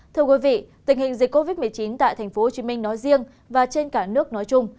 thưa quý vị tình hình dịch covid một mươi chín tại tp hcm nói riêng và trên cả nước nói chung